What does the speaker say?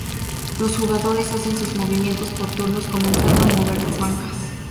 Los jugadores hacen sus movimientos por turnos, comenzando a mover las blancas.